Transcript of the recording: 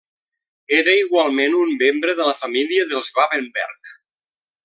Era igualment un membre de la família dels Babenberg.